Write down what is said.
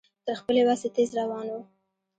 تر خپلې وسې تېز روان و.